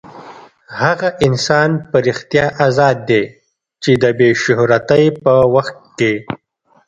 هغه انسان په رښتیا ازاد دی چې د بې شهرتۍ په وخت کې.